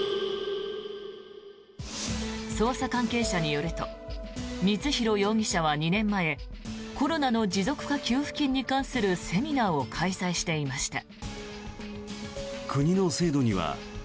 捜査関係者によると光弘容疑者は２年前コロナの持続化給付金に関するセミナーを開催していました。